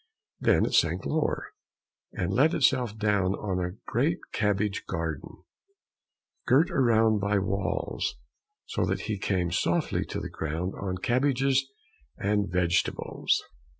Then it sank lower, and let itself down on a great cabbage garden, girt round by walls, so that he came softly to the ground on cabbages and vegetables.